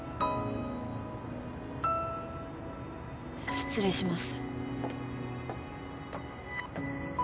失礼します